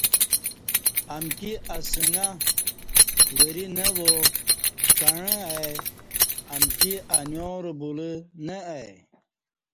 امکی اسݣہ ، وری نہ وا، کعں ای امکی انیار بولہ نہ ای